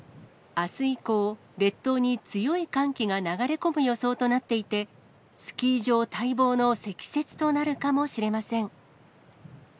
あす以降、列島に強い寒気が流れ込む予想となっていて、スキー場待望の積雪となるかもしれません。